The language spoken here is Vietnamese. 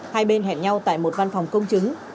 hai bên hẹn nhau tại một văn phòng công chứng